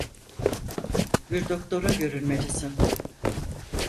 Bir doktora görünmelisin.